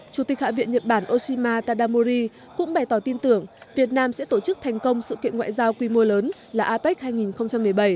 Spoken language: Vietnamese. chủ tịch hạ viện nhật bản oshima tadamuri cũng bày tỏ tin tưởng việt nam sẽ tổ chức thành công sự kiện ngoại giao quy mô lớn là apec hai nghìn một mươi bảy